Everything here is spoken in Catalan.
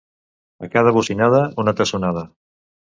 A cada bocinada, una tassonada.